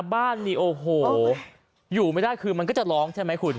บ้านนี่โอ้โหอยู่ไม่ได้คือมันก็จะร้องใช่ไหมคุณ